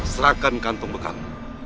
serahkan kantong bekal